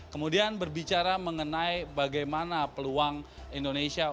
kemudian berbicara mengenai bagaimana peluang indonesia